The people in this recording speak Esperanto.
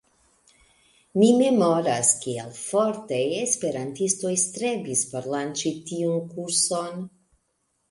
Mi memoras, kiel forte esperantistoj strebis por lanĉi tiun kurson.